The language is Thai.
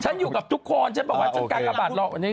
อยู่กับทุกคนฉันบอกว่าฉันกากบาทเราวันนี้